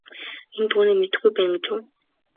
Энэ түүнийг мэдэхгүй байна гэж үү.